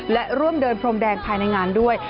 และร่วมเดินพรมแดงภายในงานด้วย